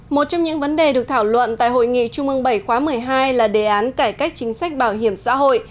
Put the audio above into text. một trong những vấn đề được thảo luận tại hội nghị trung ương bảy khóa một mươi hai là đề án cải cách chính sách bảo hiểm xã hội